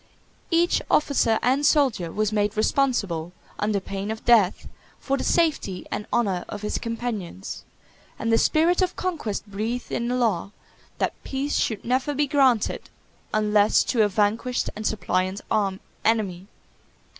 Each officer and soldier was made responsible, under pain of death, for the safety and honor of his companions; and the spirit of conquest breathed in the law, that peace should never be granted unless to a vanquished and suppliant enemy.